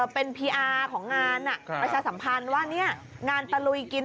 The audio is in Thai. เป็นของงานอ่ะประชาสัมพันธ์ว่าเนี้ยงานตะลุยกิน